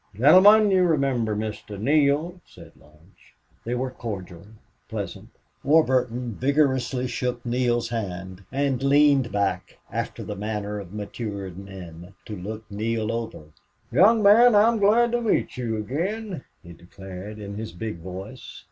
"Gentlemen, you remember Mr. Neale," said Lodge. They were cordial pleasant. Warburton vigorously shook Neale's hand, and leaned back, after the manner of matured men, to look Neale over. "Young man, I'm glad to meet you again," he declared, in his big voice.